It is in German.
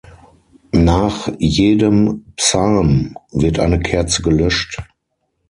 Nach jedem Psalm wird eine Kerze gelöscht.